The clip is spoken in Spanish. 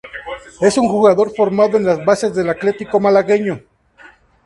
Es un jugador formado en las bases del Atletico Malagueño.